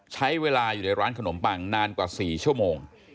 ใช้เวลาอยู่ในร้านขนมปังนานกว่า๔ชั่วโมง